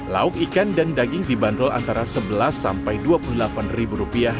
lauk ikan dan daging dibanderol antara sebelas sampai dua puluh delapan